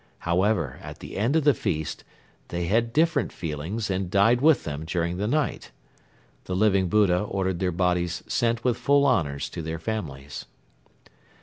However, at the end of the feast, they had different feelings and died with them during the night. The Living Buddha ordered their bodies sent with full honors to their families.